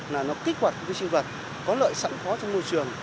nó kích hoạt vi sinh vật có lợi sẵn khó trong môi trường